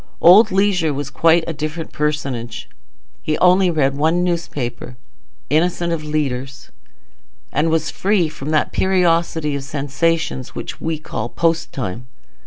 Old Leisure was quite a different personage. He only read one newspaper, innocent of leaders, and was free from that periodicity of sensations which we call post time.